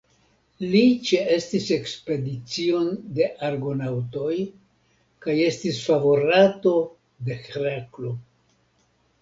Li ĉeestis ekspedicion de Argonaŭtoj kaj estis favorato de Heraklo.